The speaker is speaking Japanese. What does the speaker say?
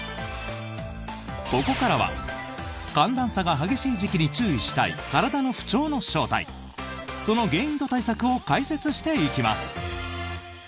ここからは寒暖差が激しい時期に注意したい体の不調の正体その原因と対策を解説していきます。